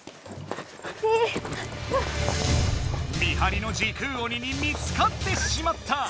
見張りの時空鬼に見つかってしまった！